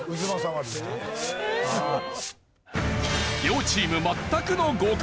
両チーム全くの互角。